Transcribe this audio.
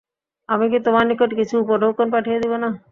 আমি কি তোমার নিকট কিছু উপঢৌকন পাঠিয়ে দিব না?